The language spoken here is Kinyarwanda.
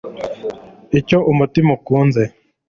icyo umutima ukunze